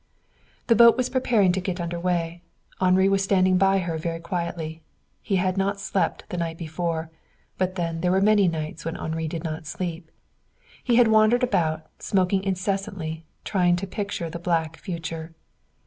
The boat was preparing to get under way. Henri was standing by her very quietly. He had not slept the night before, but then there were many nights when Henri did not sleep. He had wandered about, smoking incessantly, trying to picture the black future.